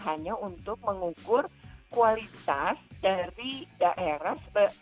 hanya untuk mengukur kualitas dari daerah